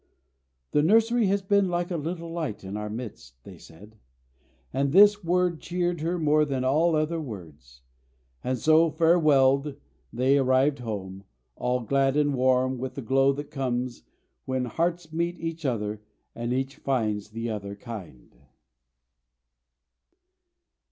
"The nursery has been like a little light in our midst," they said; and this word cheered her more than all other words. And so farewelled, they arrived home, all glad and warm with the glow that comes when hearts meet each other and each finds the other kind.